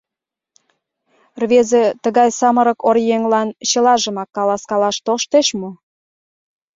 Рвезе тыгай самырык оръеҥлан чылажымак каласкалаш тоштеш мо?